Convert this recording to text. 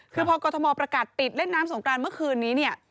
คือพอกรทมประกาศปิดเล่นน้ำสงกรานเมื่อคืนนี้เนี่ย